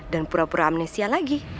dan pura pura amnesia lagi